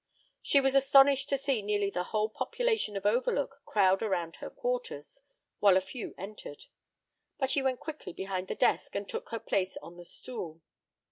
She was astonished to see nearly the whole population of Overlook crowd around her quarters, while a few entered. But she went quickly behind the desk, and took her place on the stool.